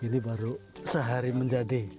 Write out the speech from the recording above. ini baru sehari menjadi